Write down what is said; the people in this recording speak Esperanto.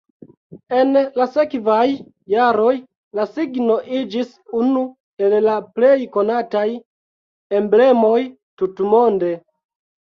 En la sekvaj jaroj la signo iĝis unu el la plej konataj emblemoj tutmonde.